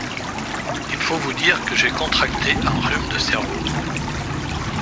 Il vous faut dire que j’ai contracté un rhume de cerveau.